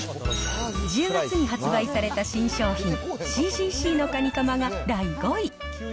１０月に発売された新商品、ＣＧＣのかにかまが第５位。